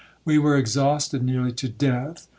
We were exhausted nearly to death.